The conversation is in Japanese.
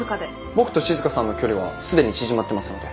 僕と静さんの距離は既に縮まってますので。